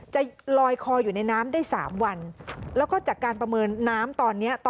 จะลอยคออยู่ในน้ำได้๓วันแล้วก็จากการประเมินน้ำตอนนี้